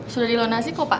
sudah dilonasi kok pak